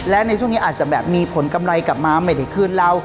และในช่วงนี้อาจจะแบบมีผลกำไรกลับมาไม่ได้คืนเรา